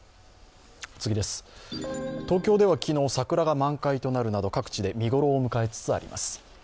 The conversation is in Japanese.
東京では昨日、桜が満開となるなど各地で見頃を迎えつつあります。